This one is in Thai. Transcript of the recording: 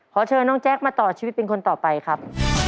ขอเชิญน้องแจ๊คมาต่อชีวิตเป็นคนต่อไปครับ